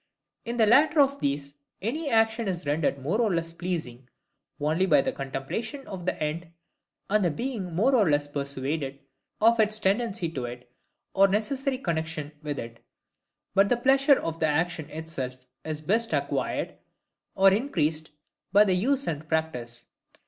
In the latter of these, any action is rendered more or less pleasing, only by the contemplation of the end, and the being more or less persuaded of its tendency to it, or necessary connexion with it: but the pleasure of the action itself is best acquired or increased by use and practice.